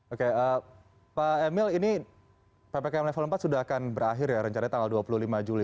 oke pak emil ini ppkm level empat sudah akan berakhir ya rencana tanggal dua puluh lima juli